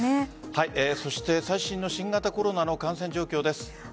そして最新の新型コロナの感染状況です。